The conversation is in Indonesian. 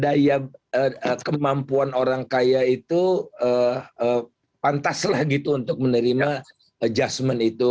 daya kemampuan orang kaya itu pantaslah gitu untuk menerima adjustment itu